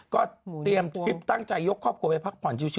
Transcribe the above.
ก็เตรียมคลิปตั้งใจยกครอบครัวไปพักผ่อนชิว